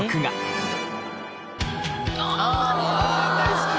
ああ大好き。